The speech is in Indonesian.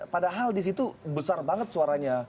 padahal di situ besar banget suaranya